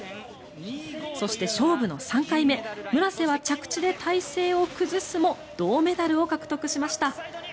そして、勝負の３回目村瀬は着地で体勢を崩すも銅メダルを獲得しました。